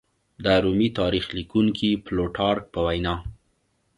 د رومي تاریخ لیکونکي پلوټارک په وینا